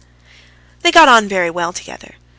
They got on very well together.